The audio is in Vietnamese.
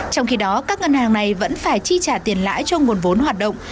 trong khi đó các ngân hàng này vẫn phải chi trả tiền lãi cho nguồn vốn hoạt động